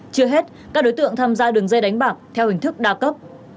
chưa hết các đối tượng tham gia đường dây đánh bạc theo hình thức đa cấp